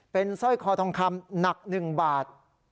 เป็นสร้อยคอทองคำหนัก๑บาท